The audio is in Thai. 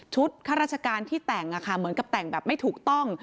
ข้าราชการที่แต่งเหมือนกับแต่งแบบไม่ถูกต้อง